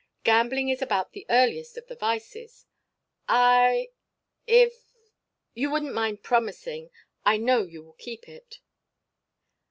Gambling is about the earliest of the vices. I if you wouldn't mind promising I know you will keep it."